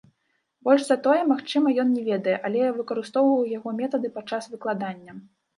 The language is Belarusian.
Больш за тое, магчыма, ён не ведае, але я выкарыстоўваю яго метады падчас выкладання.